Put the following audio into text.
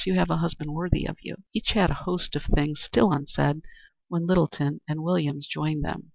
You have a husband worthy of you." Each had a host of things still unsaid when Littleton and Williams joined them.